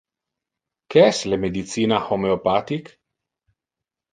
Que es le medicina homeopathic?